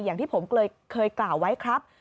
อย่างที่ผมเคยกล่าวไว้ครับ